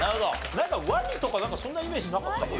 なんかワニとかそんなイメージなかった？